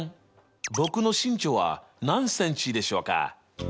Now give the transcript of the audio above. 僕の身長は何ｃｍでしょうか？